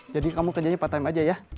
jadi kamu kerjanya patahin aja ya